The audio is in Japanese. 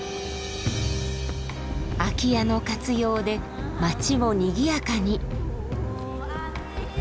空き家の活用で町をにぎやかに。